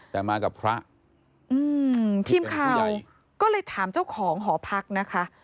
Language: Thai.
แต่มากับพระอืมทีมข่าวก็เลยถามเจ้าของหอพักนะคะ